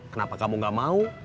kenapa kamu gak mau